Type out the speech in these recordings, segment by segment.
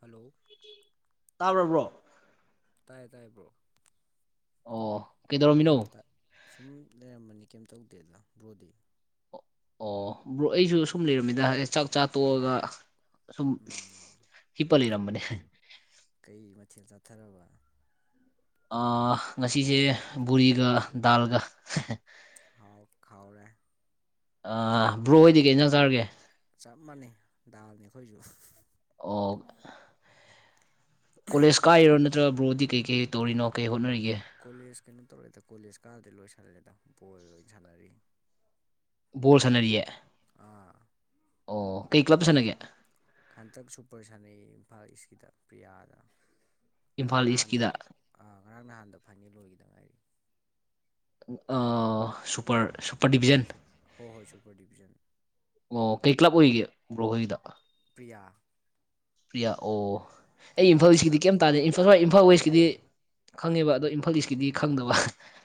Hello ꯇꯥꯕꯕ꯭ꯔꯣ ꯇꯥꯏꯌꯦ ꯇꯥꯏꯌꯦꯕ꯭ꯔꯣ ꯑꯣ ꯀꯩꯗꯧꯔꯝꯃꯤꯅꯣ ꯁꯨꯝ ꯂꯩꯔꯝꯕꯅꯤ ꯀꯩꯝ ꯇꯧꯗꯦꯗ ꯕ꯭ꯔꯣꯗꯤ ꯑꯣ ꯕ꯭ꯔꯣ ꯑꯩꯁꯨ ꯁꯨꯝ ꯂꯩꯔꯝꯃꯤꯗ ꯍꯥꯏ ꯆꯥꯛ ꯆꯥ ꯇꯣꯛꯑꯒ ꯁꯨꯝ ꯎꯝ ꯍꯤꯄꯂꯤ ꯏꯔꯝꯝꯕꯅꯦ ꯀꯩ ꯃꯊꯦꯜ ꯆꯥꯊꯔꯕ ꯉꯁꯤꯁꯦ ꯕꯣꯔꯤꯒ ꯗꯥꯜꯒ ꯍꯥꯎ ꯈꯥꯎꯔꯦ ꯕ꯭ꯔꯣ ꯍꯣꯏꯗꯤ ꯀ ꯆ ꯆꯔꯒꯦ ꯆꯞ ꯃꯥꯟꯅꯩ ꯗꯥꯜꯅꯤ ꯑꯩꯈꯣꯏꯁꯨ ꯑꯣ ꯀꯣꯂꯦꯖ ꯀꯥꯏꯔꯣ ꯅꯠꯇ꯭ꯔ ꯕ꯭ꯔꯣꯗꯤ ꯀꯩꯀꯩ ꯇꯧꯔꯤꯅꯣ ꯀꯩ ꯍꯣꯠꯅꯔꯤꯒꯦ ꯀꯣꯂꯦꯖ ꯀꯩꯅꯣ ꯇꯧꯔꯦꯗ ꯀꯣꯂꯦꯖ ꯀꯥꯔꯗꯤ ꯂꯣꯏꯁꯜꯂꯦꯗ ꯕꯣꯜ ꯂꯣꯏ ꯁꯥꯟꯅꯔꯤ ꯣꯜ ꯁꯟꯅꯔꯤꯌꯦ ꯑꯥ ꯑꯣ ꯀꯩ ꯀ꯭ꯂꯕ ꯁꯥꯟꯅꯒꯦ ꯍꯟꯇꯛ ꯁꯨꯄꯔ ꯁꯥꯟꯅꯩ ꯏꯝꯐꯥꯜ ꯏꯁꯀꯤꯗ ꯄ꯭ꯔꯤꯌꯥꯗ ꯉꯔꯥꯡ ꯏꯝꯐꯥꯜ ꯅꯍꯥꯟꯗ ꯏꯁꯀꯤꯗ ꯑ ꯉꯔꯥꯡ ꯅꯍꯥꯟꯗ ꯐꯥꯏꯅꯦꯜ ꯑꯣꯏꯈꯤꯗ ꯉꯥꯏꯔꯤ ꯁꯨꯄꯔ ꯗꯤꯕꯤꯖꯟ ꯁ ꯍꯣꯏ ꯍꯣꯏ ꯁꯨꯄꯔ ꯗꯤꯕꯤꯖꯟ ꯑꯣ ꯀꯩ ꯀ꯭ꯂꯕ ꯑꯣꯏꯒꯦ ꯕ꯭ꯔꯣꯍꯣꯏꯗ ꯄ꯭ꯔꯤꯌꯥ ꯄ꯭ꯔꯤꯌꯥ ꯑꯣ ꯑꯩ ꯄ꯭ꯔꯤꯌꯥ ꯏꯝꯐꯥꯜꯀꯤꯗꯤ ꯀꯩꯝ ꯈꯨꯟꯗ꯭ꯔꯥꯛꯄꯝ ꯇꯥꯟꯗꯩ ꯇꯁꯏ ꯏꯝꯐꯥꯜ ꯋꯦꯁꯀꯤꯗꯤ ꯈꯪꯉꯦꯕ ꯑꯗꯣ ꯏꯝꯐꯥꯜ ꯏꯁꯀꯤꯗꯤ ꯈꯪꯗꯕ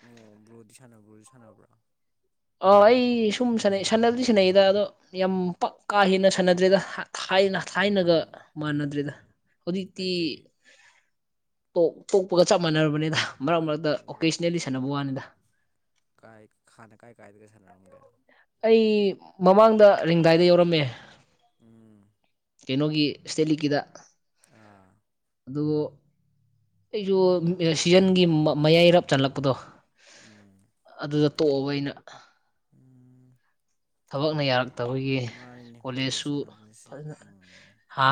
ꯑꯣ ꯕ꯭ꯔꯣꯗꯤ ꯁꯥꯟꯅꯕ꯭ꯔꯣ ꯁꯥꯟꯅꯕ꯭ꯔꯥ ꯑ ꯑꯩ ꯁꯨꯝ ꯁꯥꯟꯅꯩ ꯁꯥꯟꯅꯕꯗꯤ ꯁꯥꯟꯅꯩꯗ ꯑꯗꯣ ꯌꯥꯝ ꯄꯛ ꯀꯥ ꯍꯦꯟꯅ ꯁꯥꯟꯅꯗ꯭ꯔꯦꯗ ꯊꯥꯏꯅ ꯊꯥꯏꯅꯒ ꯎꯝ ꯃꯥꯟꯅꯗ꯭ꯔꯦꯗ ꯍꯧꯖꯤꯛꯇꯤ ꯀꯩꯀꯩ ꯇꯣꯛꯄꯒ ꯆꯞ ꯃꯥꯟꯅꯔꯕꯅꯤꯗ ꯃꯔꯛ ꯃꯔꯛꯇ ꯑꯣ ꯑꯣꯣꯀꯦꯁꯅꯦꯜꯂꯤ ꯁꯥꯟꯅꯕ ꯋꯥꯅꯤꯗ ꯀꯥꯏ ꯍꯥꯟꯅ ꯀꯥꯏ ꯀꯥꯏꯗꯒ ꯁꯥꯟꯅꯔꯝꯒꯦ ꯑꯩ ꯃꯃꯥꯡꯗ ꯔꯦꯡꯗꯥꯏꯗ ꯌꯧꯔꯝꯃꯦ ꯎꯝ ꯀꯩꯅꯣꯒꯤ ꯁ꯭ꯇꯦꯠ ꯂꯤꯛꯀꯤꯗ ꯑꯥ ꯑꯗꯨ ꯑꯩꯁꯨ ꯁꯤꯖꯟꯒꯤ ꯃꯌꯥꯏꯔꯥꯞ ꯆꯜꯂꯛꯄꯗꯣ ꯎꯝ ꯑꯗꯨꯗ ꯇꯣꯛꯑꯕ ꯑꯩꯅ ꯎꯝ ꯊꯕꯛꯅ ꯌꯥꯔꯛꯇꯕꯒꯤ ꯃꯥꯅꯤꯅꯦ ꯕꯣꯜ ꯀꯣꯂꯦꯖꯁꯨ ꯁꯥꯟꯅꯕꯁꯦ ꯐꯖꯅ ꯎꯝ ꯍꯥ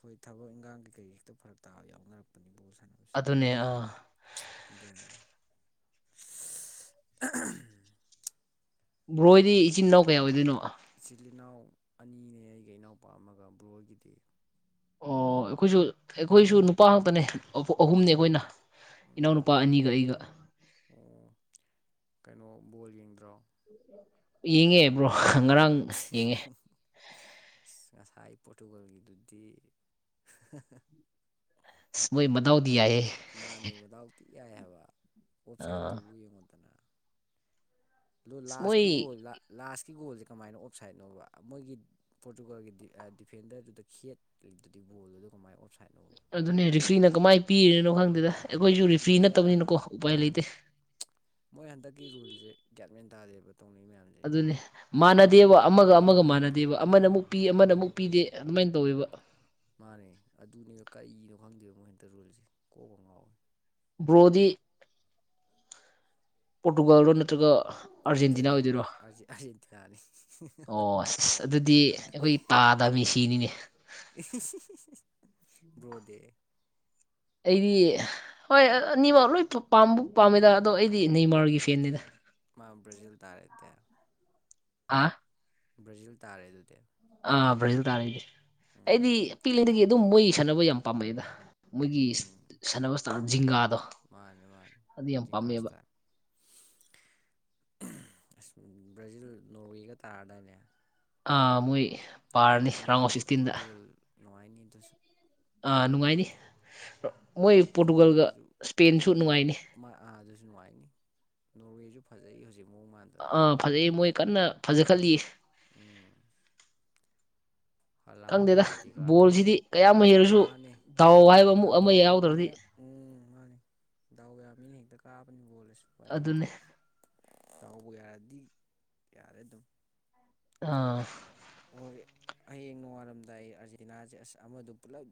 ꯍꯣꯏ ꯊꯕꯛ ꯏꯪꯈꯥꯡ ꯀꯩ ꯀꯩ ꯍꯦꯛꯇ ꯐꯔꯛ ꯇꯥꯕ ꯌꯥꯎꯅꯔꯛꯄꯅꯤꯕꯨꯣ ꯁꯥꯟꯅ ꯑꯗꯨꯅꯦ ꯑꯗꯨꯅꯤ ꯕ꯭ꯔꯣ ꯍꯣꯏꯗꯤ ꯏꯆꯤꯟ ꯎꯝ ꯏꯅꯥꯎ ꯀꯌꯥ ꯑꯣꯏꯗꯣꯏꯅꯣ ꯏꯆꯤꯜ ꯏꯅꯥꯎ ꯑꯅꯤꯅꯦ ꯑꯩꯒꯥ ꯏꯅꯥꯎꯄꯥ ꯑꯃꯒ ꯕ꯭ꯔꯣ ꯍꯣꯏꯒꯤꯗꯤ ꯑꯣ ꯑꯩꯈꯣꯏꯁꯨ ꯑꯩꯈꯣꯏꯁꯨ ꯅꯨꯄꯥ ꯉꯥꯛꯇꯅꯦ ꯑꯍꯨꯝꯅꯤ ꯑꯩꯈꯣꯏꯅ ꯎꯝ ꯏꯅꯥꯎꯅꯨꯄꯥ ꯑꯅꯤꯒ ꯑꯩꯒ ꯑꯣ ꯀꯩꯅꯣ ꯕꯣꯜ ꯌꯦꯡꯗ꯭ꯔꯣ ꯌꯦꯡꯉꯦ ꯕ꯭ꯔꯣ ꯉꯔꯥꯡ ꯌꯦꯡꯉꯦ ꯉꯁꯥꯏ ꯄꯣꯔꯇꯨꯒꯜꯒꯤꯗꯨꯗꯤ ꯃꯣꯏ ꯃꯗꯥꯎꯗꯤ ꯌꯥꯏꯌꯦ ꯃꯥꯅꯦ ꯃꯗꯥꯎ ꯊꯤ ꯌꯥꯏ ꯍꯥꯏꯕ ꯑꯥ ꯋꯦꯞꯁꯥꯏꯠꯇꯨꯕꯨ ꯌꯦꯡꯉꯣꯗꯅ ꯑꯗꯣ ꯑꯁ ꯃꯣꯏ ꯂꯥꯁꯀꯤ ꯒꯣꯜ ꯂꯥꯁꯀꯤ ꯒꯣꯜꯁꯦ ꯀꯃꯥꯏꯅ ꯑꯣꯞꯁꯥꯏꯠ ꯅꯣꯕ ꯃꯣꯏꯒꯤ ꯄꯣꯔꯇꯨꯒꯜꯒꯤ ꯗꯤꯐꯦꯟꯗꯔꯗꯨꯗ ꯈꯦꯠꯂꯤꯗꯨꯗꯤ ꯕꯣꯜꯗꯨꯗ ꯀꯃꯥꯏꯅ ꯑꯣꯐꯁꯥꯏꯠꯅꯣ ꯑꯗꯨꯅꯦ ꯔꯤꯐ꯭ꯔꯤꯅ ꯀꯃꯥꯏꯅ ꯄꯤꯔꯤꯅꯣ ꯈꯪꯗꯦꯗ ꯑꯩꯈꯣꯏꯁꯨ ꯑꯗꯨ ꯔꯤꯐ꯭ꯔꯤ ꯕꯤ ꯑꯥꯔ ꯅꯠꯇꯕꯅꯤꯅꯀꯣ ꯎꯄꯥꯏ ꯃꯥꯅꯦ ꯂꯩꯇꯦ ꯃꯣꯏ ꯍꯟꯗꯛꯀꯤ ꯔꯨꯜꯁꯦ ꯒꯌꯥꯟꯃꯦꯟ ꯇꯥꯗꯦꯕ ꯇꯧꯅꯩ ꯃꯌꯥꯝꯁꯦ ꯑꯗꯨꯅꯦ ꯑꯃ ꯑꯃ ꯃꯥꯟꯅꯗꯦꯕ ꯑꯃꯒ ꯃꯥꯟꯅꯗꯦ ꯑꯃꯒ ꯃꯥꯟꯅꯗꯦ ꯃꯥꯟꯅꯗꯦꯕ ꯑꯃꯅ ꯑꯃꯨꯛ ꯄꯤ ꯑꯃꯅ ꯎꯝ ꯑꯃꯨꯛ ꯄꯤꯗꯦ ꯑꯗꯨꯃꯥꯏꯅ ꯇꯧꯋꯦꯕ ꯃꯥꯅꯦ ꯑꯗꯨꯅꯦꯕ ꯀꯔꯤꯅꯣ ꯈꯪꯗꯦꯕ ꯃꯣꯏ ꯍꯟꯇꯛ ꯔꯨꯜꯁꯦ ꯀꯣꯛꯀꯥ ꯉꯥꯎꯋꯦ ꯕ꯭ꯔꯣꯗꯤ ꯄꯣꯔꯇꯨꯒꯜꯗꯣ ꯅꯠꯇ꯭ꯔꯒ ꯑꯥꯔꯖꯦꯟꯇꯤꯅꯥ ꯅꯠꯇꯦꯗ ꯑꯣꯏꯗꯣꯏꯔꯣ ꯑꯥꯔꯖꯦꯟꯇꯤꯅꯥꯅꯤ ꯑꯣ ꯑꯁ ꯑꯗꯨꯗꯤ ꯑꯩꯈꯣꯏ ꯇꯥꯗ ꯃꯤꯁꯤꯅꯤꯅꯦ ꯕ꯭ꯔꯣꯗꯤ ꯑꯩꯗꯤ ꯍꯣꯏ ꯑꯅꯤꯃꯛ ꯂꯣꯏ ꯄꯥꯝꯕꯨ ꯄꯥꯝꯃꯦꯗ ꯑꯗꯣ ꯑꯩꯗꯤ ꯅꯦꯃꯥꯔꯒꯤ ꯐꯦꯟꯅꯤꯗ ꯃꯥ ꯕ꯭ꯔꯥꯖꯤꯜ ꯇꯥꯔꯦꯗꯦ ꯑꯥ ꯕ꯭ꯔꯥꯖꯤꯜ ꯇꯥꯔꯦ ꯑꯗꯨꯗꯤ ꯑꯥ ꯕ꯭ꯔꯥꯖꯤꯜ ꯇꯥꯔꯦ ꯎꯝ ꯑꯩꯗꯤ ꯄꯤꯛꯂꯤꯉꯩꯗꯒꯤ ꯑꯗꯨꯝ ꯃꯣꯏꯒꯤ ꯁꯥꯟꯅꯕ ꯌꯥꯝ ꯄꯥꯝꯃꯛꯑꯦꯗ ꯃꯣꯏꯒꯤ ꯎꯝ ꯁꯥꯟꯅꯕ ꯆꯥꯟ ꯖꯤꯡꯒꯥꯗꯣ ꯃꯥꯅꯤ ꯃꯥꯅꯤ ꯑꯗꯨ ꯌꯥꯝ ꯄꯥꯝꯃꯛꯑꯦꯕ ꯖꯤꯡꯒꯥꯁꯇꯥꯏꯜ ꯑꯁ ꯕ꯭ꯔꯥꯖꯤꯜ ꯅꯣꯔꯋꯦꯒ ꯇꯥꯔꯥꯗꯥꯏꯅꯦ ꯑꯥ ꯃꯣꯏ ꯄꯥꯔꯅꯤ ꯅꯨꯡꯉꯥꯏꯅꯤ ꯔꯥꯎꯟ ꯑꯗꯨ ꯑꯣꯐ ꯑꯗꯨ ꯁꯤꯛꯁꯇꯤꯟꯗ ꯕꯣꯜ ꯅꯨꯡꯉꯥꯏꯅꯤ ꯑꯗꯨꯁꯨ ꯑꯥ ꯅꯨꯡꯉꯥꯏꯅꯤ ꯃꯣꯏ ꯄꯣꯔꯇꯨꯒꯜꯒ ꯁ꯭ꯄꯦꯟꯁꯨ ꯅꯨꯡꯉꯥꯏꯅꯤ ꯃꯥꯏ ꯑꯥ ꯑꯗꯨꯁꯨ ꯅꯨꯡꯉꯥꯏꯅꯤ ꯅꯣꯔꯋꯦꯁꯨ ꯐꯖꯩ ꯍꯧꯖꯤꯛ ꯃꯑꯣꯡ ꯃꯥꯟ ꯑꯥ ꯐꯖꯩ ꯃꯣꯏ ꯀꯟꯅ ꯐꯖ ꯈꯠꯂꯤ ꯎꯝ ꯍꯂꯥꯟꯒ ꯈꯪꯗꯦꯗ ꯎꯗꯤꯒꯥꯥꯠꯀ ꯕꯣꯜꯁꯤꯗꯤ ꯀꯌꯥꯝ ꯍꯩꯔꯁꯨ ꯃꯥꯅꯤ ꯗꯥꯎ ꯃꯥꯅꯤ ꯍꯥꯏꯕ ꯑꯃꯨꯛ ꯗꯥꯎ ꯑꯃ ꯌꯥꯕ ꯌꯥꯎꯗ꯭ꯔꯗꯤ ꯃꯤꯅ ꯎꯝ ꯃꯥꯅꯤ ꯗꯥꯎ ꯌꯥ ꯃꯤꯅ ꯍꯦꯛꯇ ꯀꯥꯕꯅꯤ ꯕꯣꯜ ꯁꯨ ꯎꯄꯥꯏ ꯂꯩꯇꯦ ꯑꯗꯨꯅꯤ ꯗꯥꯎꯕꯨ ꯌꯥꯔꯗꯤ ꯌꯥꯔꯦ ꯑꯗꯨꯝ ꯑꯥ [unintelligible] ꯍꯌꯦꯡ ꯅꯣꯡꯉꯥꯜꯂꯝꯗꯥꯏ ꯑꯥꯔꯖꯦꯟꯇꯤꯅꯥꯁꯦ ꯑꯁ ꯑꯃꯗꯣ ꯄꯨꯂꯞ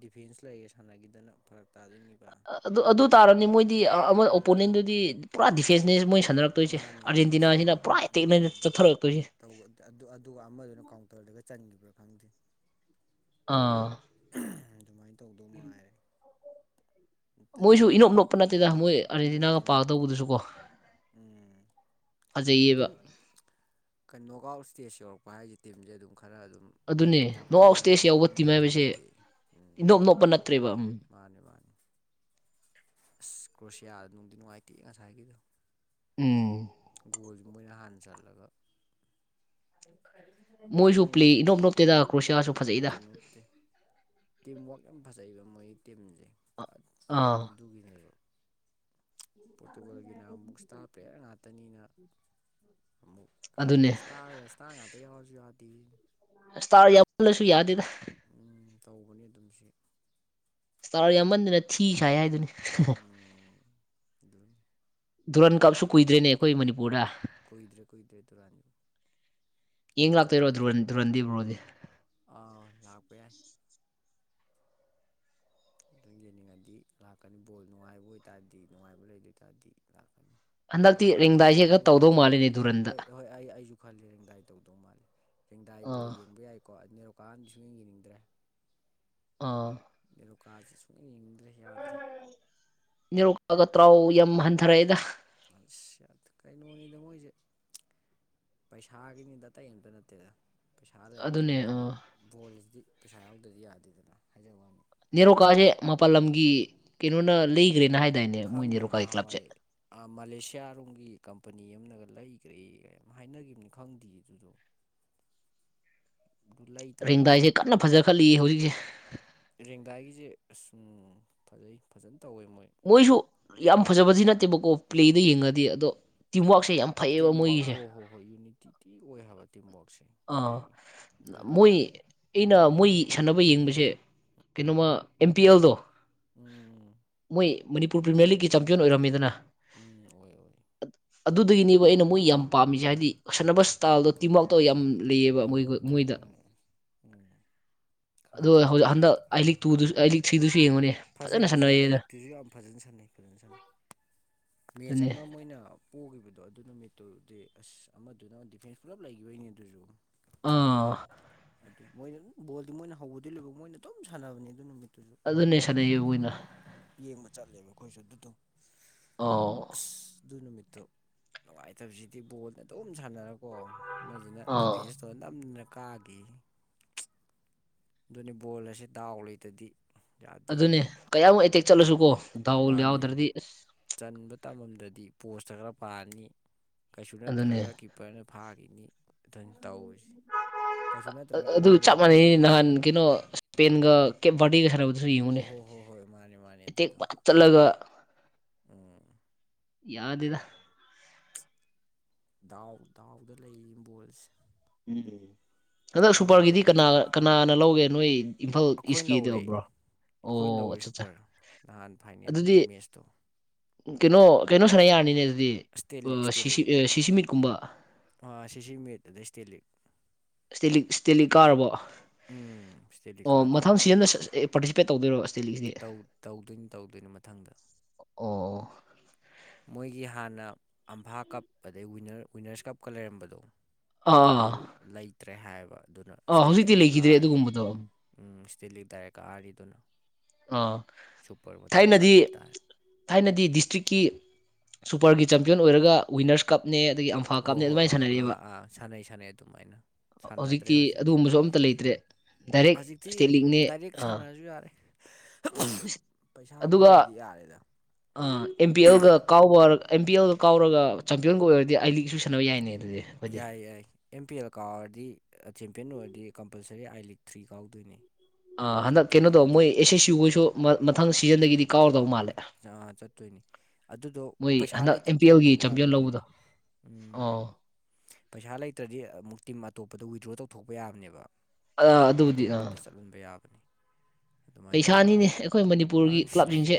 ꯗꯤꯐꯦꯟꯁ ꯂꯩꯌꯦ ꯁꯥꯟꯅꯈꯤꯗꯅ ꯐꯔꯛ ꯇꯥꯗꯣꯏꯅꯤꯕ ꯑꯗꯨ ꯑꯗꯨ ꯇꯥꯔꯅꯤ ꯃꯣꯏꯗꯤ ꯑꯃ ꯎꯝ ꯑꯣꯄꯣꯅꯦꯟꯗꯨꯗꯤ ꯄꯨꯔꯥ ꯗꯤꯐꯦꯟꯁꯅꯦ ꯃꯣꯏ ꯁꯥꯟꯅꯔꯛꯇꯣꯏꯁꯦ ꯃꯥꯅꯦ ꯏꯁꯄꯤꯠ ꯑꯥꯔꯖꯦꯟꯇꯅꯥꯁꯤꯅ ꯄꯨꯔꯥ ꯑꯦꯇꯦꯛꯅꯦ ꯆꯠꯊꯔꯛꯇꯣꯏꯁꯦ ꯇꯧꯕ ꯑꯗꯨ ꯑꯗꯨ ꯑꯗꯨꯒ ꯑꯃꯗꯨꯅ ꯀꯥꯎꯟꯇꯔꯗꯒ ꯆꯟꯈꯤꯕ꯭ꯔꯥ ꯈꯪꯗꯦ ꯑꯥ ꯑꯗꯨꯃꯥꯏꯅ ꯇꯧꯗꯧ ꯃꯉꯥꯏꯔꯦ ꯅꯠꯇꯗꯤ ꯃꯣꯏꯁꯨ ꯏꯅꯣꯞ ꯅꯣꯞꯄ ꯅꯠꯇꯦꯗ ꯃꯣꯏ ꯅꯣꯠꯇꯦ ꯅꯣꯞꯇꯦ ꯁꯨ ꯀꯣ ꯎꯝ ꯐꯖꯩꯌꯦꯕ ꯑꯗꯨꯝ ꯀꯩꯅꯣꯒ ꯑꯥꯎꯠ ꯏꯁꯇꯦꯖ ꯌꯧꯔꯛꯄ ꯍꯥꯏꯁꯦ ꯇꯤꯝꯁꯦ ꯑꯗꯨꯝ ꯈꯔ ꯑꯗꯨꯝ ꯑꯗꯨꯅꯦ ꯌꯥꯝ ꯅꯣ ꯑꯥꯎꯠ ꯀꯟꯅ ꯏꯁꯇꯦꯖ ꯌꯧꯕ ꯇꯤꯝ ꯅꯣꯞꯄ ꯍꯥꯏꯁꯦ ꯅꯠꯇꯦ ꯎꯝ ꯏꯅꯥꯞ ꯅꯣꯞꯄ ꯅꯠꯇ꯭ꯔꯦꯕ ꯎꯝ ꯃꯥꯅꯤ ꯃꯥꯅꯤ ꯑꯁ ꯀ꯭ꯔꯣꯁꯤꯌꯥꯗ ꯅꯨꯡꯗꯤ ꯅꯨꯡꯉꯥꯏꯇꯦ ꯉꯁꯥꯏꯒꯤꯗꯣ ꯎꯝ ꯒꯣꯒꯣꯜꯁꯤ ꯃꯣꯏꯅ ꯍꯥꯟꯅ ꯆꯟꯂꯒ ꯃꯣꯏꯁꯨ ꯃꯣꯏ ꯄ꯭ꯂꯦ ꯏꯅꯣꯞ ꯅꯣꯞꯇꯦꯗ ꯀ꯭ꯔꯣꯁꯤꯌꯥꯁꯨ ꯐꯖꯩꯗ ꯅꯣꯞꯇꯦ ꯅꯣꯞꯇꯦ ꯇꯤꯝ ꯋꯥꯛ ꯌꯥꯝ ꯐꯖꯩꯑꯕ ꯃꯣꯏꯒꯤ ꯇꯤꯝꯁꯦ ꯑꯥ ꯑꯗꯨꯒꯤꯅꯦꯕ ꯄꯣꯔꯇꯨꯒꯜꯒꯤꯅ ꯑꯃꯨꯛ ꯏꯁꯇꯥꯔ ꯄ꯭ꯂꯦꯌꯔ ꯉꯥꯛꯇꯅꯤꯅ ꯑꯃꯨꯛ ꯈꯪꯗꯦ ꯑꯗꯨꯅꯦ ꯏꯁꯇꯥꯔꯦ ꯏꯁꯇꯥꯔ ꯉꯥꯛꯇ ꯌꯥꯎꯔꯁꯨ ꯌꯥꯗꯦ ꯏꯁꯇꯥꯔ ꯌꯥꯝꯃꯜꯂꯁꯨ ꯌꯥꯗꯦꯗ ꯎꯝ ꯇꯧꯕꯅꯤ ꯑꯗꯨꯝ ꯁꯤ ꯏꯁꯇꯥꯔ ꯌꯥꯝꯃꯟꯗꯨꯅ ꯊꯤ ꯁꯥꯏ ꯍꯥꯏꯗꯨꯅꯤ [unintelligible] ꯑꯗꯨꯝ ꯙꯨꯔꯟ ꯀꯞꯁꯨ ꯀꯨꯏꯗ꯭ꯔꯦꯅꯦ ꯑꯩꯈꯣꯏ ꯃꯅꯤꯄꯨꯔꯗ ꯀꯨꯏꯗꯦ ꯀꯨꯏꯗ꯭ꯔꯦ ꯑꯗꯨꯔꯥꯟꯖꯨ ꯌꯦꯡ ꯂꯥꯛꯇꯣꯏꯔꯣ ꯗꯨꯔꯟꯗꯗꯤ ꯕ꯭ꯔꯣꯗꯤ ꯑꯥ ꯂꯥꯛꯄ ꯌꯥꯏ ꯑꯗꯨ ꯌꯦꯡꯅꯤꯡꯉꯗꯤ ꯂꯥꯛꯀꯅꯤ ꯕꯣꯜ ꯅꯨꯡꯉꯥꯏꯕ ꯑꯣꯏꯇꯥꯥꯔꯗꯤ ꯅꯨꯡꯉꯥꯏꯕ ꯂꯩꯗꯣꯏ ꯇꯔꯗꯤ ꯂꯥꯛꯀꯅꯤ ꯍꯟꯗꯛꯇꯤ ꯅꯦꯔꯣꯀꯥꯒꯤ ꯔꯦꯡꯗꯥꯏꯁꯦ ꯈꯔ ꯇꯧꯗꯧ ꯕꯣꯜꯒꯗꯤ ꯃꯥꯜꯂꯦꯅꯦ ꯌꯦꯡꯅꯤꯡꯗꯦ ꯗꯨꯔꯟꯗ ꯍꯣꯏ ꯍꯣꯏ ꯑꯩ ꯑꯩꯁꯨ ꯈꯜꯜꯂꯤ ꯗꯥꯥꯏ ꯇꯧꯗꯧ ꯃꯥꯜꯂꯦ ꯆꯦꯡꯗꯥꯏ ꯕꯣꯜ ꯑꯥ ꯌꯦꯡꯕ ꯌꯥꯏꯀꯣ ꯑꯗꯨ ꯅꯦꯔꯣꯀꯥꯟꯗꯤ ꯁꯨꯡ ꯌꯦꯡ ꯌꯦꯡꯅꯤꯡꯗ꯭ꯔꯦ ꯑꯥ ꯅꯦꯔꯣꯀꯥꯥꯁꯦ ꯁꯨꯡꯌꯦꯡ ꯌꯦꯡꯅꯤꯡꯗ꯭ꯔꯦ ꯌꯥꯗ꯭ꯔꯦ ꯅꯦꯔꯣꯀꯒ ꯇ꯭ꯔꯥꯎ ꯌꯥꯝ ꯍꯟꯊꯔꯛꯑꯦꯗ ꯑꯁ ꯌꯥꯗꯦ ꯀꯩꯅꯣꯅꯤꯗ ꯃꯣꯏꯁꯦ ꯄꯩꯁꯥꯒꯤꯅꯤꯗ ꯑꯇꯩ ꯑꯝꯇ ꯅꯠꯇꯦꯗ ꯄꯩꯁꯥ ꯑꯗꯨꯅꯦ ꯂꯩꯔꯛꯇ꯭ꯔꯕꯅꯤꯅ ꯑꯥ ꯕꯣꯜꯁꯤꯗꯤ ꯄꯩꯁꯥ ꯌꯥꯎꯗꯗꯤ ꯌꯥꯗꯦꯗꯅ ꯍꯥꯏꯖꯕ ꯋꯥꯅꯤ ꯅꯦꯔꯣꯀꯥꯁꯦ ꯃꯄꯥꯟ ꯂꯝꯒꯤ ꯀꯩꯅꯣꯅ ꯂꯩꯈ꯭ꯔꯦꯅ ꯍꯥꯏꯗꯥꯅꯦ ꯃꯣꯏ ꯅꯦꯔꯣꯀꯥꯒꯤ ꯀ꯭ꯂꯕꯁꯦ ꯑ ꯃꯥꯂꯦꯁꯤꯌꯥ ꯔꯣꯝꯒꯤ ꯀꯝꯄꯅꯤ ꯑꯃꯅꯒ ꯂꯩꯈ꯭ꯔꯦ ꯀ ꯍꯥꯏꯅꯈꯤꯕꯅꯤ ꯈꯪꯗꯦ ꯑꯗꯨꯗꯣ ꯑꯗꯨ ꯂꯩ ꯇꯥꯔꯗꯤ ꯔꯦꯡꯗꯥꯏꯁꯦ ꯀꯟꯅ ꯐꯖꯈꯠꯂꯤ ꯍꯧꯖꯤꯛꯁꯦ ꯔꯦꯡꯗꯥꯏꯒꯤꯁꯦ ꯑꯁ ꯎꯝ ꯐꯖꯩ ꯐꯖꯅ ꯇꯧꯋꯦ ꯃꯣꯏ ꯃꯣꯏꯁꯨ ꯌꯥꯝ ꯐꯖꯕꯗꯤ ꯅꯠꯇꯦꯕꯀꯣ ꯄ꯭ꯂꯦꯗ ꯌꯦꯡꯉꯗꯤ ꯑꯗꯣ ꯇꯤꯝꯋꯔꯛꯁꯦ ꯌꯥꯝ ꯐꯩꯌꯦꯕ ꯇꯤꯝꯋ꯭ꯔꯥꯛ ꯃꯣꯏꯒꯤꯁꯦ ꯍꯣꯏ ꯍꯣꯏ ꯍꯣꯏ ꯌꯨꯅꯤꯇꯤ ꯊꯤ ꯑꯣꯏ ꯍꯥꯏꯕ ꯇꯤꯝꯋ꯭ꯔꯥꯛꯁꯦ ꯑ ꯃꯣꯏ ꯑꯩꯅ ꯃꯣꯏ ꯁꯥꯟꯅꯕ ꯌꯦꯡꯕꯁꯦ ꯀꯩꯅꯣ ꯎꯝ ꯑꯃ ꯑꯦꯝ ꯄꯤ ꯑꯦꯜꯗꯣ ꯎꯝ ꯃꯣꯏ ꯃꯅꯤꯄꯨꯔ ꯄ꯭ꯔꯤꯃꯤꯌꯔ ꯂꯤꯒꯀꯤ ꯆꯝꯄꯤꯌꯟ ꯑꯣꯏꯔꯝꯃꯤꯗꯅ ꯎꯝ ꯑꯣꯏ ꯑꯣꯏ ꯑꯗꯨꯗꯒꯤꯅꯦꯕ ꯑꯩꯅ ꯃꯣꯏ ꯌꯥꯝ ꯄꯥꯝꯃꯤꯁꯦ ꯍꯥꯏꯗꯤ ꯁꯥꯟꯅꯕ ꯏꯁꯇꯥꯏꯜꯗꯣ ꯇꯤꯝꯋ꯭ꯔꯥꯛ ꯇꯣ ꯌꯥꯝ ꯂꯩꯑꯦꯕ ꯃꯣꯏꯈꯣꯏ ꯃꯣꯏꯗ ꯎꯝ ꯎꯝ ꯑꯗꯣ ꯈꯪꯉꯦ ꯈꯪꯉꯦ ꯍꯟꯗꯛ ꯌꯦꯡꯉꯦ ꯑꯥꯏ ꯑꯩꯈꯣꯏꯁꯨ ꯂꯤꯛ ꯇꯨꯗꯨꯁꯨ ꯑꯥꯏ ꯂꯤꯛ ꯊ꯭ꯔꯤꯗꯨꯁꯨ ꯌꯦꯡꯉꯨꯅꯦ ꯐꯖꯩ ꯐꯖꯅ ꯐꯖꯩ ꯑꯥꯏ ꯁꯥꯟꯅꯩꯌꯦꯗ ꯂꯤꯛꯇꯨꯁꯨ ꯌꯥꯝ ꯐꯖꯅ ꯁꯥꯟꯅꯩ ꯐꯖꯅ ꯁꯥꯟꯅꯩ ꯃꯦꯠꯆ ꯑꯗꯨꯅꯦ ꯑꯃ ꯃꯣꯏꯅ ꯄꯣꯛꯈꯤꯕꯗꯣ ꯑꯗꯨ ꯅꯨꯃꯤꯠꯇꯨꯗꯤ ꯑꯁ ꯑꯃꯗꯨꯅ ꯗꯤꯐꯦꯟꯁ ꯄꯨꯂꯞ ꯂꯩꯈꯤꯕꯩꯅꯤ ꯑꯗꯨꯁꯨ ꯑꯥ ꯑꯗꯨ ꯃꯣꯏꯅ ꯑꯗꯨ ꯕꯣꯜꯗꯤ ꯃꯣꯏꯅ ꯍꯧꯕꯗꯩ ꯂꯣꯏꯕꯧ ꯃꯣꯏꯅ ꯑꯗꯨꯝ ꯁꯥꯟꯅꯕꯅꯦ ꯑꯗꯨ ꯅꯨꯃꯤꯠꯇꯨꯁꯨ ꯑꯗꯨꯅꯦ ꯁꯥꯟꯅꯩꯌꯦꯕ ꯃꯣꯏꯅ ꯌꯦꯡꯕ ꯆꯠꯂꯦꯕ ꯑꯩꯈꯣꯏꯁꯨ ꯑꯗꯨꯗꯣ ꯑꯣ ꯑꯁ ꯑꯗꯨ ꯅꯨꯃꯤꯠꯇꯣ ꯅꯨꯡꯉꯥꯏꯇꯕꯁꯤꯗꯤ ꯕꯣꯜꯅ ꯑꯗꯨꯝ ꯁꯥꯟꯅꯔꯀꯣ ꯑꯃꯁꯤꯅ ꯑꯥ ꯗꯤꯐꯦꯟꯁꯇꯧꯔ ꯅꯝꯗꯅ ꯀꯥꯈꯤ ꯑꯗꯨꯅꯤ ꯕꯣꯜ ꯑꯁꯦ ꯗꯥꯎ ꯂꯩꯇꯗꯤ ꯌꯥꯗꯦ ꯑꯗꯨꯅꯦ ꯀꯌꯥꯃꯨꯛ ꯑꯦꯇꯦꯛ ꯆꯠꯂꯁꯨ ꯀꯣ ꯃꯥꯅꯤ ꯆꯟꯕ ꯇꯝꯃꯝꯗꯗꯤ ꯄꯣꯁꯇ ꯈꯔ ꯄꯥꯔꯅꯤ ꯀꯩꯁꯨ ꯑꯗꯨꯅꯦ ꯅꯠꯇ꯭ꯔꯒ ꯀꯤꯞꯄꯔꯅ ꯐꯥꯈꯤꯅꯤ ꯑꯗꯨꯅ ꯇꯧꯁꯦ ꯑꯗꯨ ꯆꯞ ꯃꯥꯟꯅꯩꯅꯤ ꯅꯍꯥꯟ ꯀꯩꯅꯣ ꯏꯁꯄꯦꯟꯒ ꯀꯦꯕꯥꯇꯒ ꯈ ꯍꯣ ꯍꯣ ꯍꯣ ꯍꯣꯏ ꯃꯥꯅꯦ ꯃꯥꯅꯦ ꯑꯗꯨꯗꯣ ꯄꯠ ꯆꯠꯂꯒ ꯎ ꯌꯥꯗꯗ ꯗꯥꯎ ꯗꯥꯎꯗ ꯂꯩ ꯏꯝꯕꯣꯜꯁꯦ ꯎꯝ ꯎ ꯍꯟꯗꯛ ꯁꯨꯄꯔꯒꯤꯗꯤ ꯀꯅꯥ ꯀꯅꯥꯅ ꯂꯧꯒꯦ ꯅꯣꯏ ꯏꯝꯐꯥꯜ ꯑꯩꯈꯣꯏꯅ ꯏꯁꯀꯤꯗ ꯂꯧꯔꯦ ꯑꯣꯏꯕ꯭ꯔꯣ ꯑꯩꯈꯣꯏꯅ ꯑꯣ ꯂꯧꯔꯦ ꯑꯠꯆꯥ ꯑꯠꯆꯥ ꯁꯨꯄꯔ ꯅꯍꯥꯟ ꯐꯥꯏꯅꯦꯜ ꯑꯗꯨꯗꯤ ꯃꯦꯠꯁꯇꯣ ꯀꯩꯅꯣ ꯀꯩꯅꯣ ꯁꯥꯟꯅ ꯌꯥꯔꯅꯤꯅꯦ ꯑꯗꯨꯗꯤ ꯏꯁꯇꯦꯂꯤꯛ ꯁꯤꯁꯤ ꯁꯤꯁꯤ ꯃꯤꯠꯀꯨꯝꯕ ꯁꯤ ꯁꯤ ꯃꯤꯠ ꯑꯗꯩ ꯏꯁꯇꯤ ꯂꯤꯛ ꯁ꯭ꯇꯦꯂꯤꯛ ꯁ꯭ꯇꯦꯂꯤꯛ ꯀꯥꯔꯕꯣ ꯎꯝ ꯏꯁꯇꯦꯂꯤꯛ ꯑꯣ ꯃꯊꯪ ꯀꯥꯗꯣꯏꯅꯤ ꯁꯤꯖꯟꯅ ꯑꯦ ꯄꯥꯔꯇꯤꯁꯤꯄꯦꯠ ꯇꯧꯤꯔꯣ ꯑꯁ ꯇꯧꯗꯣꯏꯅꯤ ꯇꯧꯗꯣꯏꯅꯤ ꯃꯊꯪꯗ ꯑꯣ ꯃꯣꯏꯒꯤ ꯍꯥꯟꯅ ꯑꯝꯐꯥ ꯀꯞ ꯑꯗꯩ ꯋꯤꯟꯅꯔꯁ ꯀꯞꯀ ꯂꯩꯔꯝꯕꯗꯣ ꯑꯥ ꯑꯗꯨ ꯂꯩꯇ꯭ꯔꯦ ꯍꯥꯏꯕ ꯑꯗꯨꯅ ꯑꯥ ꯍꯧꯖꯤꯛꯇꯤ ꯏꯁꯇꯦꯂꯤꯀꯣꯏꯟ ꯂꯩꯈꯤꯗ꯭ꯔꯦ ꯀꯥꯔꯅꯤ ꯑꯗꯨꯒꯨꯝꯕꯗꯣ ꯎꯝ ꯁꯤꯇꯤꯜꯂꯤꯛ ꯗꯥꯏꯔꯦꯛ ꯀꯥꯔꯤꯗꯨꯅꯣ ꯑꯥ ꯊꯥꯏꯅꯗꯤ ꯏꯁꯇꯦꯂꯤꯛ ꯇꯥꯔꯦ ꯊꯥꯏꯅꯗꯤ ꯗꯤꯁꯇ꯭ꯔꯤꯛꯀꯤ ꯁꯨꯄꯔꯒꯤ ꯆꯦꯝꯄꯤꯌꯟ ꯑꯣꯏꯔꯒ ꯋꯤꯟꯅꯔꯁ ꯀꯞꯅꯦ ꯑꯗꯒꯤ ꯑꯝꯐꯥ ꯍꯣꯏ ꯀꯞꯅꯦ ꯍꯣꯏ ꯑꯗꯨꯃꯥꯏꯅ ꯑꯥ ꯑꯥ ꯁꯥꯟꯅꯔꯛꯑꯦꯕ ꯑꯥ ꯁꯥꯟꯅꯩ ꯁꯥꯟꯅꯩ ꯑꯗꯨꯃꯥꯏꯅ ꯁꯥꯟꯅꯗ꯭ꯔꯦ ꯍꯧꯖꯤꯛꯇꯤ ꯑꯗꯨꯒꯨꯝꯕꯁꯨ ꯑꯝꯇ ꯂꯩꯇ꯭ꯔꯦ ꯗꯥꯏꯔꯦꯛ ꯍꯧꯖꯤꯛꯇꯤ ꯏꯁꯇꯦꯠ ꯂꯤꯛꯅꯦ ꯗꯥꯏꯔꯦꯛ ꯑꯥ ꯁꯥꯟꯅꯔꯁꯨ ꯌꯥꯔꯦ ꯄꯩꯁꯥꯕꯨ ꯂꯩꯔꯗꯤ ꯌꯥꯔꯦꯗ ꯑ ꯑꯦꯝ ꯄꯤ ꯑꯦꯜꯒ ꯀꯥꯎꯕ ꯑꯦꯝ ꯄꯤ ꯑꯦꯜꯗ ꯀꯥꯎꯔꯒ ꯆꯦꯝꯄꯤꯌꯟꯒ ꯑꯣꯏꯔꯗꯤ ꯑꯩ ꯂꯤꯒꯁꯨ ꯁꯥꯟꯅꯕ ꯌꯥꯏꯅꯦ ꯑꯗꯨꯗꯤ ꯑꯩꯈꯣꯏꯗꯤ ꯌꯥꯏ ꯌꯥꯏ ꯑꯦꯝ ꯄꯤ ꯑꯦꯜ ꯀꯥꯎꯔꯗꯤ ꯆꯦꯝꯄꯤꯌꯟ ꯑꯣꯏꯔꯗꯤ ꯀꯝꯄꯜꯁꯔꯤ ꯑꯥꯏ ꯂꯤꯛ ꯊ꯭ꯔꯤ ꯀꯥꯎꯗꯣꯏꯅꯤ ꯍꯟꯗꯛ ꯀꯩꯅꯣ ꯆꯠꯇꯣꯏꯅꯤ ꯇꯧ ꯑꯗꯣ ꯃꯣꯏ ꯑꯦꯁ ꯑꯦꯁ ꯌꯨꯈꯩꯁꯨ ꯃꯊꯪ ꯁꯤꯖꯟꯗꯒꯤꯗꯤ ꯀꯥꯎꯔꯗꯧ ꯃꯥꯜꯂꯦ ꯆꯥꯉꯥ ꯆꯠꯇꯣꯏꯅꯤ ꯑꯗꯨꯗꯣ ꯃꯣꯏ ꯄꯩꯁꯥ ꯍꯟꯗꯛ ꯑꯦꯝ ꯄꯤ ꯂꯩꯇꯗꯤ ꯑꯦꯜꯒꯤ ꯑꯃꯨꯛ ꯆꯦꯝꯄꯤꯌꯟ ꯌꯥꯔꯣꯏꯗꯣꯏꯅꯤ ꯂꯧꯕꯗꯣ ꯎꯝ ꯑꯣ ꯄꯩꯁꯥ ꯂꯩꯇ꯭ꯔꯗꯤ ꯑꯃꯨꯛ ꯇꯤꯝ ꯑꯇꯣꯞꯄꯗ ꯋꯤꯗ꯭ꯔꯣ ꯇꯧꯊꯣꯛꯄ ꯌꯥꯕꯅꯦꯕ ꯑꯗꯨꯕꯨꯗꯤ ꯑꯥ ꯑꯇꯣꯞꯄꯗ ꯆꯠꯍꯟꯕ ꯌꯥꯕꯅꯤ ꯑꯗꯨꯃꯥꯏꯅ ꯄꯩꯁꯥꯅꯤꯅꯦ ꯇꯧꯕꯅꯤ ꯑꯩꯈꯣꯏ ꯃꯅꯤꯄꯨꯔꯒꯤ ꯃꯥꯅꯤ ꯀ꯭ꯂꯕꯁꯤꯡꯁꯦ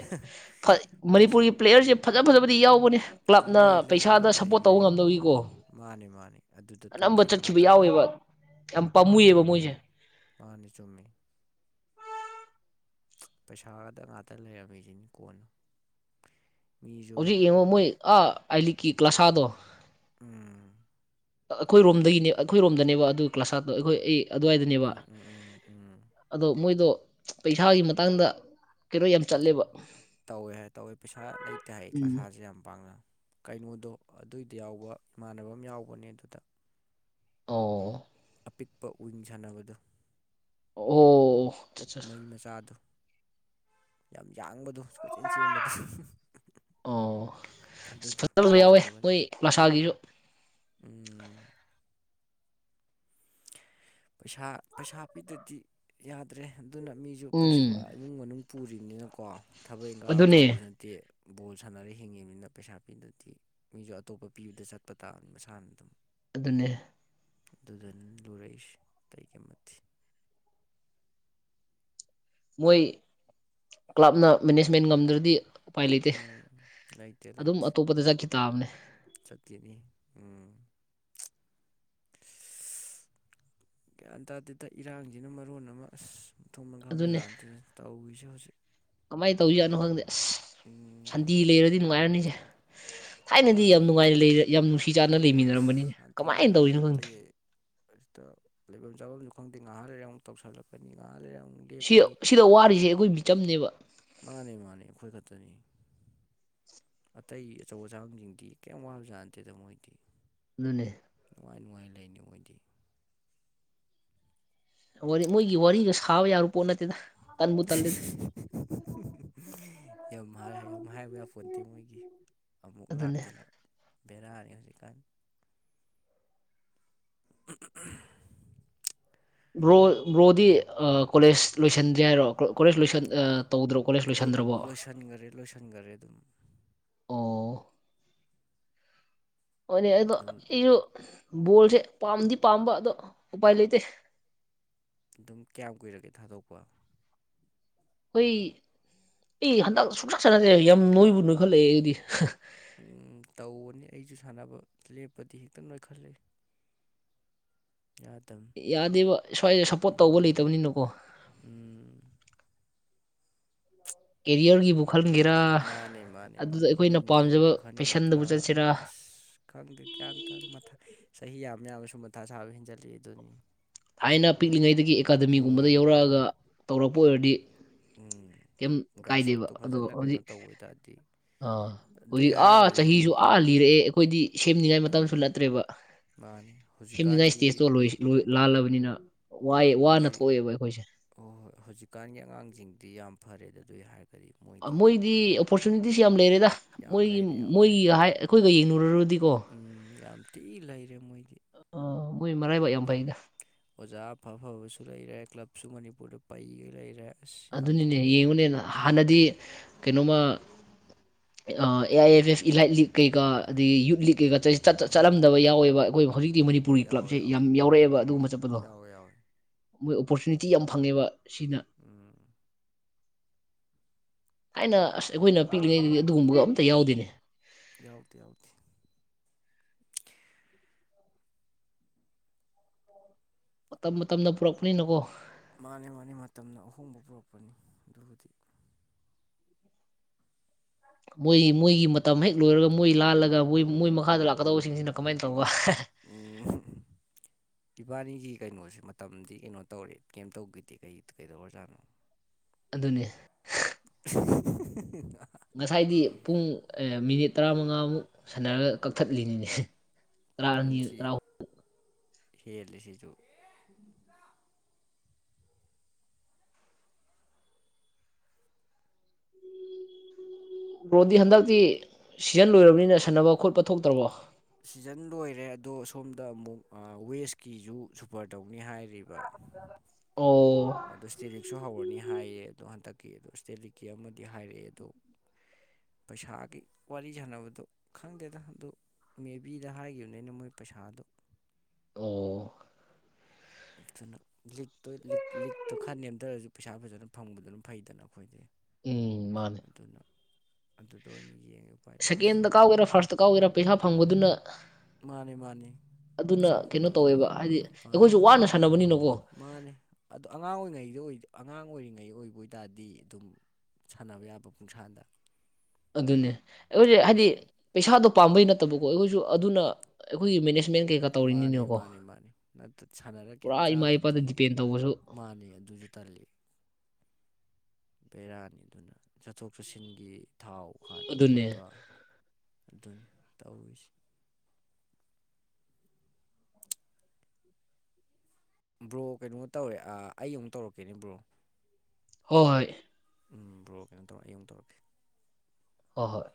ꯄꯩꯁꯥ ꯃꯅꯤꯄꯨꯔꯒꯤ ꯄ꯭ꯂꯦꯌꯔꯁꯦ ꯐꯖ ꯐꯖꯕꯗꯤ ꯌꯥꯎꯕ ꯀ꯭ꯂꯕꯅ ꯂꯩ ꯂꯩ ꯄꯩꯁꯥꯗ ꯂꯩ ꯂꯩ ꯁꯞꯄꯣꯔꯠ ꯇꯧꯕ ꯂꯩ ꯉꯝꯗꯕꯩꯀꯣ ꯃꯥꯅꯤ ꯃꯥꯅꯤ ꯑꯗꯨꯗ ꯇꯣꯛꯈꯤꯕ ꯉꯥꯛꯇꯅꯤ ꯌꯥꯎꯋꯦꯕ ꯌꯥꯝ ꯄꯥꯝꯃꯨꯏꯑꯕ ꯃꯣꯏꯁꯦ ꯎꯝ ꯃꯥꯅꯤ ꯆꯨꯝꯃꯤ ꯄꯩꯁꯥꯒꯗ ꯉꯥꯛꯇ ꯂꯩꯔꯝꯃꯤꯁꯤꯅꯤ ꯀꯣꯟꯅ ꯃꯤꯁꯨ ꯍꯧꯖꯤꯛ ꯌꯦꯡꯉꯣ ꯃꯣꯏ ꯑ ꯑꯥꯏ ꯂꯤꯛꯀꯤ ꯀ꯭ꯂꯥꯁꯥꯗꯣ ꯎꯝ ꯑꯩꯈꯣꯏꯔꯣꯝꯗꯒꯤꯅꯦ ꯑꯩꯈꯣꯏꯔꯣꯝꯗꯅꯦꯕ ꯑꯗꯨ ꯀ꯭ꯂꯥꯁꯥꯠꯗꯣ ꯑꯩꯈꯣꯏ ꯑꯩ ꯑꯗꯨꯋꯥꯏꯗꯅꯦꯕ ꯎꯝ ꯎꯝ ꯎꯝ ꯎꯝ ꯑꯗꯣ ꯃꯣꯏꯗꯣ ꯄꯩꯁꯥꯒꯤ ꯃꯇꯥꯡꯗ ꯀꯩꯅꯣ ꯌꯥꯝ ꯆꯠꯂꯦꯕ ꯇꯧꯋꯦ ꯍꯥꯏ ꯇꯧꯋꯦ ꯄꯩꯁꯥ ꯂꯩꯇꯦ ꯍꯥꯏ ꯎꯝ ꯀ꯭ꯂꯁꯥꯁꯦ ꯌꯥꯝ ꯄꯥꯡꯅ ꯀꯩꯅꯣꯗꯣ ꯑꯗꯨꯏꯗ ꯌꯥꯎꯕ ꯏꯃꯥꯟꯅꯕ ꯑꯃ ꯌꯥꯎꯕꯅꯦ ꯑꯗꯨꯗ ꯑꯣ ꯄꯤꯛꯄ ꯋꯤꯡ ꯁꯥꯟꯅꯕꯗꯨ ꯑꯣ ꯑꯣ ꯃꯩ ꯃꯆꯥꯗ ꯌꯥꯝ ꯌꯥꯡꯕꯗꯣ ꯀꯣꯏꯠꯆꯦꯟ ꯆꯦꯟꯕꯗꯣ ꯑꯣ ꯑ ꯑꯗꯨꯗꯣ ꯐꯖꯅꯁꯨ ꯌꯥꯎꯋꯦ ꯏꯃꯥꯟꯅꯕꯅꯤ ꯃꯣꯏ ꯃꯁꯥꯒꯤꯁꯨ ꯎꯝ ꯄꯩꯁꯥ ꯄꯩꯁꯥ ꯄꯤꯗꯗꯤ ꯌꯥꯗ꯭ꯔꯦ ꯑꯗꯨꯅ ꯃꯤꯁꯨ ꯎꯝ ꯄꯩꯥ ꯏꯃꯨꯡ ꯃꯅꯨꯡ ꯄꯨꯔꯤꯅꯤꯅꯀꯣ ꯊꯕꯛ ꯏꯪꯈꯥꯡ ꯑꯃ ꯑꯗꯨꯅꯦ ꯇꯧꯕꯁꯨ ꯅꯠꯇꯦ ꯕꯣꯜ ꯁꯥꯟꯅꯔ ꯍꯤꯡꯉꯤꯃꯤꯅ ꯄꯩꯁꯥ ꯄꯤꯗ꯭ꯔꯗꯤ ꯃꯤꯁꯨ ꯑꯇꯣꯞꯄ ꯚꯤꯎꯗ ꯆꯠꯄ ꯇꯥꯕꯅꯤ ꯃꯁꯥꯅ ꯑꯗꯨꯝ ꯑꯗꯨꯅꯦ ꯑꯗꯨꯗꯅꯤ ꯂꯨꯔꯛꯏꯁꯦ ꯑꯇꯩꯒꯤꯝ ꯅꯠꯇꯦ ꯃꯣꯏ ꯀ꯭ꯂꯕꯅ ꯃꯦꯅꯦꯖꯃꯦꯟ ꯉꯝꯗ꯭ꯔꯗꯤ ꯎꯄꯥꯏ ꯂꯩꯇꯦ ꯎꯝ ꯂꯩꯇꯦ ꯑꯗꯨꯝ ꯂꯩꯇꯦ ꯑꯇꯣꯞꯄꯗ ꯆꯠꯈꯤ ꯇꯥꯕꯅꯦ ꯆꯠꯈꯤꯅꯤ ꯎꯝ ꯒ꯭ꯌꯥꯟ ꯇꯥꯗꯦꯗ ꯏꯔꯥꯡꯁꯤꯅ ꯃꯔꯣꯟ ꯑꯃ ꯑꯁ ꯃꯊꯣꯡꯃꯔꯝ ꯈꯪꯕꯖꯥꯠ ꯑꯗꯨꯅꯦ ꯅꯠꯇꯦꯗ ꯇꯧꯔꯤꯁꯦ ꯍꯧꯖꯤꯛ ꯀꯃꯥꯏꯅ ꯇꯧꯗꯨꯏꯖꯥꯠꯅꯣ ꯈꯪꯗꯦ ꯑꯁ ꯎꯝ ꯁꯟꯗꯦ ꯂꯩꯔꯗꯤ ꯅꯨꯡꯉꯥꯏꯔꯅꯤꯁꯦ ꯊꯥꯏꯅꯗꯤ ꯌꯥꯝ ꯃꯥꯅꯦ ꯅꯨꯡꯉꯥꯏꯅ ꯂꯩ ꯌꯥꯝ ꯅꯨꯡꯁꯤ ꯆꯥꯟꯅ ꯑꯗꯨꯅꯦ ꯂꯩꯃꯤꯟꯅꯔꯝꯕꯅꯤꯅ ꯑꯁ ꯀꯃꯥꯏꯅ ꯇꯧꯔꯤꯅꯣ ꯈꯪꯗꯦ ꯑꯁꯇ ꯂꯩꯐꯝ ꯆꯥꯐꯝꯁꯨ ꯈꯪꯗꯦ ꯉꯥꯏꯍꯥꯛ ꯂꯩꯔꯥ ꯑꯃꯨꯛ ꯇꯧꯁꯜꯂꯛꯀꯅꯤ ꯉꯥꯏꯍꯥꯛ ꯂꯩꯔꯥꯡꯨ ꯁꯤ ꯁꯤꯗ ꯋꯥꯔꯤꯁꯦ ꯑꯩꯈꯣꯏ ꯃꯤꯆꯝꯅꯦꯕ ꯃꯥꯅꯦ ꯃꯥꯅꯦ ꯑꯩꯈꯣꯏ ꯈꯛꯇꯅꯦ꯫ ꯑꯇꯩ ꯑꯆꯧ ꯑꯁꯥꯡꯁꯤꯡꯗꯤ ꯀꯩꯝ ꯋꯥꯕꯖꯥꯠꯅꯠꯇꯦꯗ ꯃꯣꯏꯗꯤ꯫ ꯅꯅꯦ ꯅꯨꯡꯉꯥꯏ ꯅꯨꯡꯉꯥꯏ ꯂꯩꯅꯤ ꯃꯣꯏꯗꯤ꯫ ꯋꯥꯔꯤ ꯃꯣꯏꯒꯤ ꯋꯥꯔꯤꯒ ꯁꯥꯕ ꯌꯥꯕ ꯄꯣꯠ ꯅꯠꯇꯦꯗ ꯇꯟꯕꯨ ꯇꯜꯂꯦꯗ ꯌꯥꯝ ꯌꯥꯝ ꯍꯥꯏꯕ ꯌꯥꯄꯣꯟꯇꯦ ꯃꯣꯏꯒꯤ꯫ ꯑꯃꯨꯛ ꯑꯗꯨꯅꯦ ꯂꯥꯛꯇꯅ ꯕꯦꯔꯥꯅꯤ ꯍꯧꯖꯤꯛꯀꯥꯟ꯫ [unintelligible] ꯕ꯭ꯔꯣ ꯕ꯭ꯔꯣꯗꯤ ꯀꯣꯂꯦꯖ ꯂꯣꯏꯁꯟꯗ꯭ꯔꯦ ꯍꯥꯏꯔꯣ ꯀꯣꯂꯦꯖ ꯂꯣꯏꯁꯟ ꯇꯧꯗ꯭ꯔꯣ ꯀꯣꯂꯦꯖ ꯂꯣꯏꯁꯟꯗ꯭ꯔꯕꯣ ꯂꯣꯏꯁꯤꯟꯈꯔꯦ ꯂꯣꯏꯁꯤꯟꯈꯔꯦ ꯑꯗꯨꯝ꯫ ꯑꯣ꯫ ꯑꯣꯏꯅꯦ ꯑꯗꯣ ꯑꯗꯨꯝ ꯑꯩꯁꯨ ꯕꯣꯜꯁꯦ ꯄꯥꯝꯗꯤ ꯄꯥꯝꯕ ꯑꯗꯣ ꯎꯄꯥꯏ ꯂꯩꯇꯦ꯫ ꯑꯗꯨꯝ ꯀꯌꯥꯝ ꯀꯨꯏꯔꯒꯦ ꯊꯥꯗꯣꯛꯄ꯫ ꯑꯩꯏ ꯑꯩ ꯍꯟꯗꯛ ꯁꯨꯡꯁꯥꯟ ꯁꯥꯟꯅꯗ꯭ꯔꯦ ꯌꯥꯝ ꯅꯣꯏꯕꯨ ꯅꯣꯏꯈꯠꯂꯛꯑꯦ ꯑꯩꯗꯤ꯫ ꯇꯧꯕꯅꯤ ꯑꯩꯁꯨ ꯁꯥꯟꯅꯕ ꯂꯦꯞꯄꯗꯤ ꯍꯦꯛꯇ ꯅꯣꯏꯈꯠꯂ ꯌꯥꯗ ꯌꯥꯗꯦꯕ ꯁ꯭ꯋꯥꯏꯗꯦ ꯁꯞꯄꯣꯔꯠ ꯇꯧꯕ ꯂꯩꯇꯕꯅꯤꯅꯀꯣ ꯎꯝ ꯀꯦꯔꯤꯌꯔꯒꯤꯕꯨꯛ ꯈꯜꯒꯔꯥ ꯃꯥꯅꯦ ꯃꯥꯅꯦ ꯃꯥꯅꯦ ꯌꯨꯝꯒꯤꯕꯨ ꯄꯦꯁꯟꯗꯕꯨ ꯈꯟꯒꯗ꯭ꯔꯥ ꯆꯠꯁꯤꯔꯥ ꯑꯁ ꯈꯪꯗꯦ ꯀ꯭ꯌꯥꯇ ꯆꯍꯤ ꯌꯥꯝꯕ ꯌꯥꯝꯕꯁꯨ ꯃꯊꯥ ꯁꯥꯕ ꯍꯦꯟꯖꯜꯂꯤ ꯑꯗꯨꯅꯤ ꯊꯥꯏꯅ ꯄꯤꯛꯂꯤꯉꯩꯗꯒꯤ ꯑꯦꯀꯥꯗꯃꯤꯒꯨꯝꯕꯗ ꯍꯣꯏ ꯍꯣꯏ ꯍꯣꯏ ꯌꯥꯎꯔꯛꯑꯒ ꯇꯧꯔꯛꯄ ꯑꯣꯏꯔꯗꯤ ꯎꯝ ꯀꯩꯝ ꯀꯥꯏꯗꯦꯕ ꯒ꯭ꯔꯥꯁꯔꯨꯠꯇꯣ ꯑꯗꯣ ꯐꯖꯅ ꯀꯩꯅꯣ ꯍꯧꯖꯤꯛ ꯇꯧꯕ ꯑꯣꯏ ꯇꯔꯗꯤ ꯑꯥ ꯍꯧꯖꯤꯛ ꯑꯥ ꯆꯍꯤꯁꯨ ꯑꯥ ꯂꯤꯔꯛꯑꯦ ꯑꯩꯈꯣꯏꯗꯤ ꯁꯦꯝꯅꯤꯡꯉꯥꯏ ꯃꯇꯝꯁꯨ ꯅꯠꯇ꯭ꯔꯦꯕ ꯃꯥꯅꯦ ꯍꯧꯖꯤꯛꯀꯥꯟꯒꯤ ꯂꯥꯜꯂꯕꯅꯤꯅꯏ ꯋꯥꯅ ꯊꯣꯛꯑꯦꯕ ꯑꯩꯈꯣꯏꯁꯦ ꯍ ꯍꯣꯏ ꯍꯧꯖꯤꯛꯀꯥꯟꯒꯤ ꯑꯉꯥꯡꯁꯤꯡꯗꯤ ꯌꯥꯝ ꯐꯔꯦꯗ ꯑꯗꯨꯏ ꯍꯥꯏꯔꯒꯗꯤ ꯃꯣꯏꯗꯤ ꯍꯥꯏꯗꯤ ꯑꯣꯄꯣꯔꯆꯨꯅꯤꯇꯤꯁ ꯌꯥꯝ ꯂꯩꯔꯦꯗ ꯌꯥꯝ ꯃꯣꯏꯒꯤ ꯂꯩꯔꯦ ꯌꯥꯝ ꯂꯩꯔꯦ ꯃꯣꯏꯒꯤꯒ ꯍꯥꯏ ꯑꯩꯈꯣꯏꯒ ꯌꯦꯡꯅꯨꯔꯨꯔꯗꯤꯀꯣ ꯇꯤ ꯂꯩꯔꯦ ꯃꯣꯏꯒꯤ ꯑ ꯃꯣꯏ ꯃꯔꯥꯏꯕꯥꯛ ꯌꯥꯝ ꯐꯩꯗ ꯑꯣꯖꯥ ꯑꯐ ꯑꯐꯕꯁꯨ ꯂꯩꯔꯦ ꯀ꯭ꯂꯕꯁꯨ ꯃꯅꯤꯄꯨꯔꯗ ꯄꯩꯒ ꯂꯩꯔꯦ ꯑꯁ ꯌꯥꯝ ꯑꯗꯨꯅꯤꯅꯦ ꯐꯔꯦ ꯑꯗꯨ ꯌꯦꯡꯉꯨꯅꯦ ꯃꯣꯏ ꯍꯥꯟꯅꯗꯤ ꯀꯩꯅꯣꯝꯃ ꯑꯦ ꯑꯥꯏ ꯑꯦꯝ ꯑꯦꯐ ꯏꯂꯥꯏꯠ ꯂꯤꯛ ꯀꯩꯀꯥ ꯑꯗꯒꯤ ꯌꯨꯠ ꯂꯤꯛ ꯀꯩꯀꯥ ꯆꯠ ꯆꯠ ꯍꯣ ꯍꯣ ꯆꯠꯂꯝꯗꯕ ꯌꯥꯎꯋꯦꯕ ꯑꯩꯈꯣꯏ ꯍꯧꯖꯤꯛꯇꯤ ꯍꯣꯏ ꯍꯣꯏ ꯃꯅꯤꯄꯨꯔꯒꯤ ꯀ꯭ꯂꯕꯁꯦ ꯌꯥꯝ ꯌꯥꯎꯔꯛꯑꯦꯕ ꯑꯗꯨꯒꯨꯝꯕ ꯆꯠꯄꯗꯣ ꯑꯧꯋꯣꯏ ꯌꯥꯋꯦ ꯃꯣꯏ ꯑꯣꯄꯣꯔꯆꯨꯅꯤꯇꯤ ꯌꯥꯝ ꯐꯪꯉꯦꯕ ꯁꯤꯅ ꯎꯝ ꯍꯥꯏꯥꯏꯅ ꯑꯁ ꯑꯩꯈꯣꯏꯅ ꯄꯤꯛꯂꯤꯉꯩꯗꯗꯤ ꯑꯗꯨꯒꯨꯝꯕꯒ ꯑꯝꯇ ꯌꯥꯎꯗꯦꯅꯦ ꯌꯥꯎꯗꯦ ꯌꯥꯎꯗꯦ ꯃꯇꯝ ꯃꯇꯝꯅ ꯄꯨꯔꯛꯄꯅꯤꯅꯀꯣ ꯃꯥꯅꯦ ꯃꯥꯅꯦ ꯃꯇꯝꯅ ꯑꯍꯣꯡꯕ ꯄꯨꯔꯛꯄꯅꯤ ꯑꯗꯨꯕꯨꯗꯤ ꯃꯣꯏꯒꯤ ꯃꯣꯏꯒꯤ ꯃꯇꯝ ꯍꯦꯛ ꯂꯣꯏꯔꯒ ꯃꯣꯏ ꯂꯥꯜꯂꯒ ꯃꯣꯏ ꯃꯣꯏ ꯃꯈꯥꯗ ꯂꯥꯛꯀꯗꯧꯕꯁꯤꯡꯁꯤꯅ ꯀꯃꯥꯏꯅ ꯇꯧꯕ ꯑꯣ ꯏꯕꯥꯅꯤꯒꯤ ꯀꯩꯅꯣꯁꯦ ꯃꯇꯝꯗꯤ ꯀꯩꯅꯣ ꯇꯧꯔꯦ ꯀꯩꯝ ꯇꯧꯈꯤꯗꯦ ꯀꯩ ꯀꯩꯗꯧꯔꯖꯥꯠꯅꯣ ꯑꯗꯨꯅꯤ [inaudible] ꯉꯁꯥꯏꯗꯤ ꯄꯨꯡ ꯃꯤꯅꯤꯠ ꯇꯔꯥꯃꯉꯥꯃꯨꯛ ꯁꯥꯟꯅꯔꯒ ꯀꯛꯊꯠꯂꯤꯅꯤꯅꯦ ꯇꯔꯥ ꯑꯅꯤ ꯁꯤ ꯇꯔꯥ ꯍꯦꯜꯂꯤꯁꯤꯁꯨ ꯔ꯭ꯔꯣꯗꯤ ꯍꯟꯗꯛꯇꯤ ꯁꯤꯖꯟ ꯂꯣꯏꯔꯕꯅꯤꯅ ꯁꯥꯟꯅꯕ ꯈꯣꯠꯄ ꯊꯣꯛꯇ꯭ꯔꯕꯣ ꯁꯤꯖꯟ ꯂꯣꯏꯔꯦ ꯑꯗꯣ ꯁꯣꯝꯗ ꯑꯃꯨꯛ ꯋꯦꯁꯀꯤꯖ ꯁꯨꯄꯔ ꯇꯧꯅꯤ ꯍꯥꯏꯔꯤꯕ ꯑꯣ ꯑꯗꯣ ꯁ꯭ꯇꯦꯂꯤꯛꯁꯨ ꯍꯧꯔꯅꯤ ꯍꯥꯏꯌꯦ ꯑꯗꯣ ꯍꯟꯗꯛꯀꯤ ꯑꯗꯣ ꯁ꯭ꯇꯦꯂꯤꯛꯀꯤ ꯑꯃꯗꯤ ꯍꯥꯏꯔꯛꯑꯦ ꯑꯗꯣ ꯄꯩꯁꯥꯒꯤ ꯋꯥꯔꯤ ꯁꯥꯟꯅꯕꯗꯨ ꯈꯪꯗꯦꯗ ꯑꯗꯨ ꯃꯦ ꯕꯤꯗ ꯍꯥꯏꯈꯤꯕꯅꯤꯅ ꯃꯣꯏ ꯄꯩꯁꯥꯗꯣ ꯑꯣ ꯇꯅ ꯂꯤꯛꯇ ꯂꯤ ꯂꯤꯛꯇꯣ ꯈꯟ ꯅꯝꯇꯔꯁꯨ ꯄꯩꯁꯥ ꯐꯖꯅ ꯐꯪꯕꯗ ꯑꯗꯨꯝ ꯐꯩꯗꯅ ꯑꯩꯈꯣꯏꯗꯤ ꯎꯝ ꯃꯥꯅꯦ ꯑꯗꯨꯅ ꯑꯗꯨꯗ ꯑꯣꯏꯅ ꯌꯦꯡꯉꯦ ꯎꯄꯥꯏ ꯂꯩꯇꯦ ꯁꯦꯀꯦꯟꯗ ꯀꯥꯎꯒꯦꯔꯥ ꯐꯥꯔꯁꯇ ꯀꯥꯎꯒꯦꯔꯥ ꯄꯩꯁꯥ ꯐꯪꯕꯗꯨꯅ ꯃꯥꯅꯤ ꯃꯥꯅꯤ ꯑꯗꯨꯅ ꯄꯩꯁꯥ ꯀꯩꯅꯣ ꯐꯪꯕꯗꯨꯅ ꯇꯧꯋꯦꯕ ꯍꯥꯏꯗꯤ ꯑꯩꯈꯣꯏꯁꯨ ꯋꯥꯅ ꯁꯥꯟꯅꯕꯅꯤꯅꯀꯣ ꯃꯥꯅꯦ ꯑꯗꯣ ꯑꯉꯥꯡ ꯑꯣꯏꯔꯤꯉꯩꯗ ꯑꯉꯥꯡ ꯑꯣꯏꯔꯤꯉꯩ ꯑꯣꯏꯕ ꯑꯣꯏꯇꯥꯔꯗꯤ ꯑꯗꯨꯝ ꯁꯥꯟꯅꯕ ꯌꯥꯕ ꯄꯨꯡꯁꯥꯗ ꯑꯗꯨꯅꯦ ꯑꯩꯈꯣꯏꯁꯦ ꯍꯥꯏꯗꯤ ꯄꯩꯁꯥꯗꯣ ꯄꯥꯝꯕꯩ ꯅꯠꯇꯕꯀꯣ ꯑꯩꯈꯣꯏꯁꯨ ꯑꯗꯨꯅ ꯑꯩꯈꯣꯏꯒꯤ ꯃꯦꯅꯦꯖꯃꯦꯟ ꯀꯩꯀꯥ ꯃꯥꯅꯤ ꯇꯧꯔꯤꯅꯤꯅꯀꯣ ꯃꯥꯅꯤ ꯃꯥꯅꯤ ꯁꯥꯟꯅꯔ ꯀꯩꯝ ꯄꯨꯔꯥ ꯏꯃꯥ ꯏꯄꯥꯗ ꯆꯥꯗꯗꯤ ꯗꯤꯄꯦꯟ ꯇꯧꯕꯁꯨ ꯃꯥꯅꯤ ꯑꯗꯨꯁꯨ ꯇꯜꯂꯤ ꯕꯦꯔꯥꯅꯤꯗꯨꯅ ꯆꯠꯊꯣꯛ ꯆꯠꯁꯤꯟꯒꯤ ꯊꯥꯎ ꯍꯥꯟꯕ ꯑꯗꯨꯅꯦ ꯈꯣꯠꯄ ꯗꯨꯜ ꯇꯧꯁ ꯕ꯭ꯔꯣ ꯀꯩꯅꯣ ꯇꯧꯔꯦ ꯑꯩ ꯑꯃꯨꯛ ꯇꯧꯔꯛꯀꯦꯅꯦ ꯕ꯭ꯔꯣ ꯍꯣꯏ ꯍꯣꯏ ꯎ ꯕ꯭ꯔꯣ ꯀꯩꯅꯣ ꯇꯧꯔꯛ ꯑꯩ ꯑꯃꯨ ꯇꯧꯔꯀꯦ ꯍ ꯍꯣꯏ